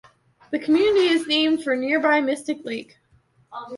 The community is named for nearby Mystic Lake.